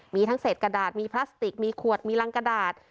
มีทั้งเศษกระดาษมีพลาสติกมีขวดมีรังกระดาษ